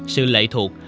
sự lệ thuộc